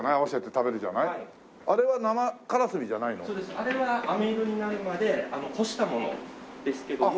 あれはあめ色になるまで干したものですけども。